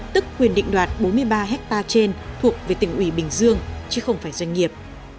tức quyền định đoạt bốn mươi ba hectare trên thuộc về tỉnh ủy bình dương chứ không phải doanh nghiệp